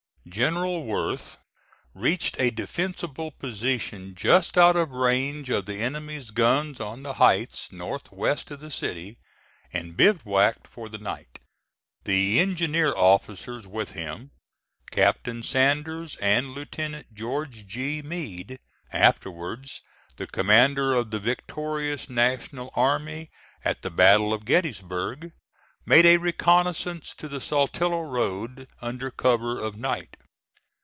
General Worth reached a defensible position just out of range of the enemy's guns on the heights north west of the city, and bivouacked for the night. The engineer officers with him Captain Sanders and Lieutenant George G. Meade, afterwards the commander of the victorious National army at the battle of Gettysburg made a reconnoissance to the Saltillo road under cover of night.